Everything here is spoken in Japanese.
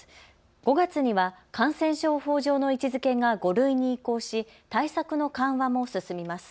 ５月には感染症法上の位置づけが５類に移行し対策の緩和も進みます。